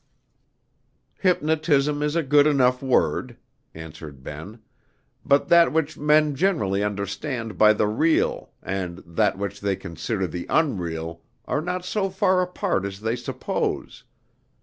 "Hypnotism is a good enough word," answered Ah Ben; "but that which men generally understand by the real, and that which they consider the unreal, are not so far apart as they suppose.